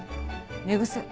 寝癖。